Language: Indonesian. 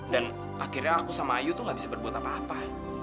dan akhirnya aku sama ayu tuh gak bisa berbuat apa apa